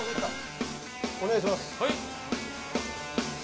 お願いします。